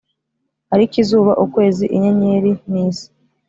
ariko izuba, ukwezi, inyenyeri n’isi